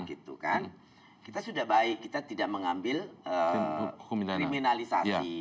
kita sudah baik kita tidak mengambil kriminalisasi